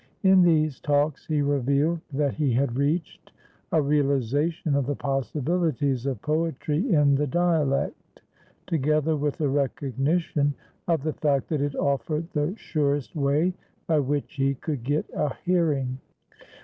In these talks he revealed that he had reached a realization of the possibilities of poetry in the dialect, together with a recognition of the fact that it offered the surest way by which he could get a hearing.